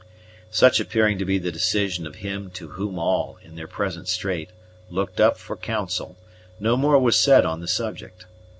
Such appearing to be the decision of him to whom all, in their present strait, looked up for counsel, no more was said on the subject.